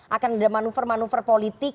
akan ada manuver manuver politik